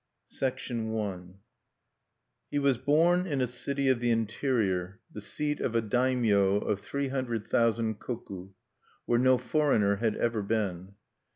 I He was born in a city of the interior, the seat of a daimyo of three hundred thousand koku, where no foreigner had ever been.